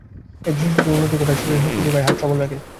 এটি দৃষ্টিশক্তির উন্নতি ঘটায়, শরীরে শক্তি যোগায়, হার্ট সবল রাখে।